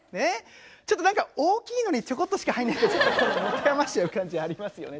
ちょっと何か大きいのにちょこっとしか入んないと持て余しちゃう感じありますよね